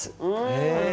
へえ。